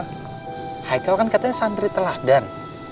ube heran sama haikal kan katanya santri teladan